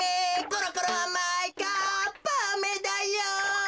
ころころあまいかっぱアメだよ。